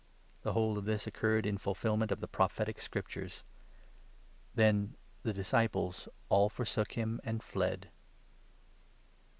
" The whole of this occurred in fulfilment of the Prophetic Scrip 56 tures. Then the disciples all forsook him and fled.